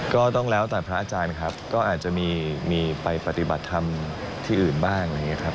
ก็ต้องแล้วแต่พระอาจารย์นะครับก็อาจจะมีไปปฏิบัติธรรมที่อื่นบ้างนะครับ